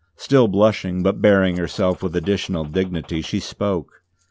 Still blushing, but bearing herself with additional dignity, she spoke.